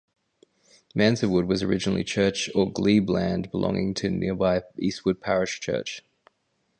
Mansewood was originally Church or 'Glebe' land belonging to nearby Eastwood Parish Church.